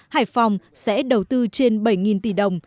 hải phòng sẽ đầu tư trên bảy tỷ đồng